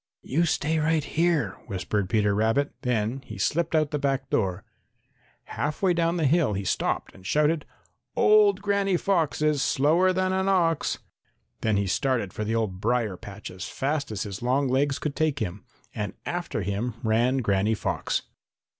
"You stay right here," whispered Peter Rabbit. Then he slipped out the back door. Half way down the hill he stopped and shouted: "Old Granny Fox Is slower than an ox!" Then he started for the old brier patch as fast as his long legs could take him, and after him ran Granny Fox.